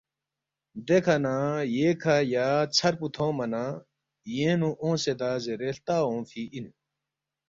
دیکھہ نہ ییکھہ یا ژھر پو تھونگما نہ یینگ نُو اونگسیدا زیرے ہلتا اونگفی اِن